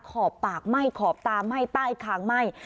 ขอบปากไหม้ขอบตาไหม้ใต้คางไหม้